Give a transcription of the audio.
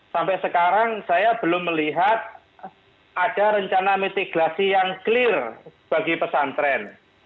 sampai sekarang saya belum melihat ada rencana mitigasi yang clear bagi pesantren